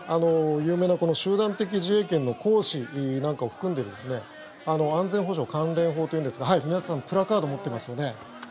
有名な集団的自衛権の行使なんかを含んでいる安全保障関連法というんですが皆さんプラカードを持っていますよね。